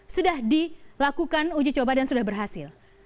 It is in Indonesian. sudah dilakukan uji coba dan sudah berhasil